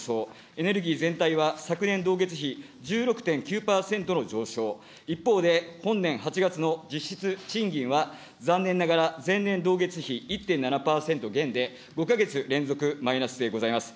エネルギー全体は昨年同月比１６．９％の上昇、一方で、本年８月の実質賃金は、残念ながら前年同月比１．７％減で、５か月連続マイナスでございます。